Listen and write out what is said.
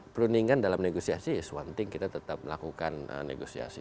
perundingan dalam negosiasi is one thing kita tetap melakukan negosiasi